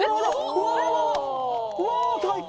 うわ最高！